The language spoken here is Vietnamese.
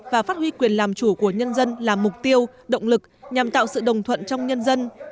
và phát huy quyền làm chủ của nhân dân là mục tiêu động lực nhằm tạo sự đồng thuận trong nhân dân